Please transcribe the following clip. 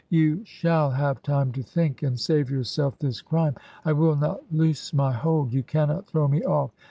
You shall have time to think, and save yourself this crime; I wiU not loose my hold, you cannot throw me ofiF.